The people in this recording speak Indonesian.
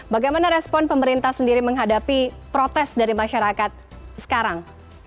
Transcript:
bagaimana respon pemerintah sendiri menghadapi protes dari masyarakat sekarang